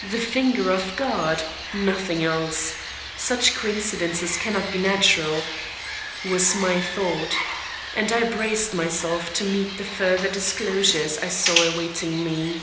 "The finger of God! Nothing else. Such coincidences cannot be natural," was my thought. And I braced myself to meet the further disclosures I saw awaiting me.